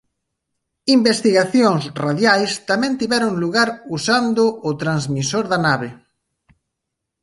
Investigacións radiais tamén tiveron lugar usando o transmisor da nave.